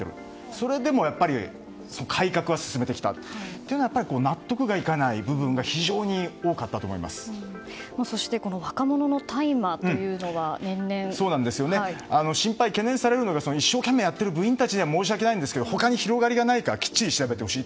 それでも改革は進めてきたというのは納得がいかない部分がそして、若者の大麻というのは懸念されるのが一生懸命やっている部員たちには申し訳ないんですけど他に広がりがないかきっちり調べてほしい。